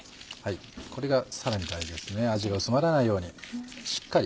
これがさらに大事です味が薄まらないようにしっかり。